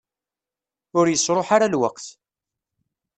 Ur yesruḥ ara lweqt.